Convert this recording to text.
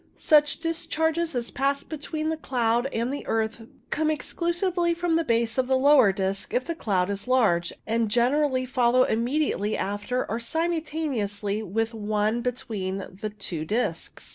Such discharges as pass between the cloud and the earth come exclusively from the base of the lower disc if the cloud is large, and generally follow immediately after or simultaneously with one between the two discs.